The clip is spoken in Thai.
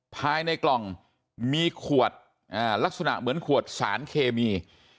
ภายในกล่องมีขวดลักษณะเหมือนขวดสารเคมี